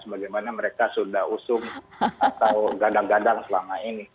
sebagaimana mereka sudah usung atau gadang gadang selama ini